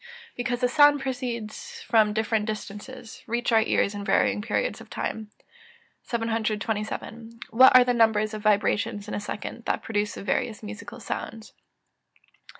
_ Because the sounds proceeding from different distances, reach our ears in varying periods of time. 727. _What are the numbers of vibrations in a second that produce the various musical sounds?